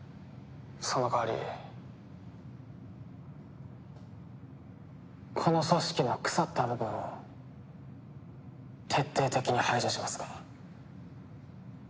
その代わりこの組織の腐った部分を徹底的に排除しますが。